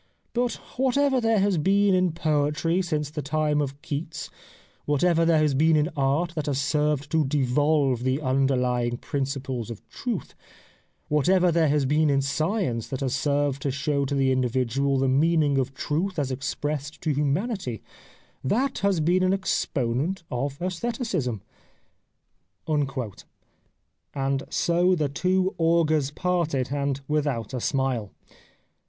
But whatever there has been in poetry since the time of Keats, whatever there has been in art that has served to devolve the underlying principles of truth ; whatever there has been in science that has served to show to the individual the meaning of truth as expressed to humanity — that has been an exponent of aestheticism.' " And so the two augurs parted, and without a smile.